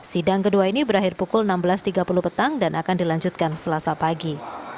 sidang kedua ini berakhir pukul enam belas tiga puluh petang dan akan dilanjutkan selasa pagi